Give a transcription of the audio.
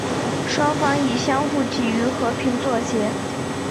双方以相互给予和平作结。